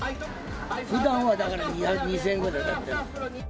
ふだんはだから２０００円ぐらいだったの。